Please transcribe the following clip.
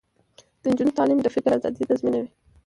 د نجونو تعلیم د فکر ازادي تضمینوي.